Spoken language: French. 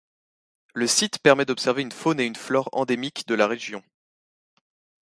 Le site permet d'observer une faune et une flore endémiques de la région.